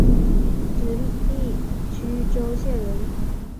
直隶曲周县人。